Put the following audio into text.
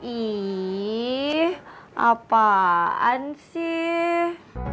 ih apaan sih